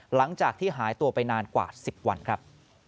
หลังจากที่หายตัวไปนานกว่า๑๐วันครับ